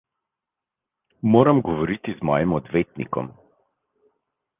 Moram govoriti z mojim odvetnikom.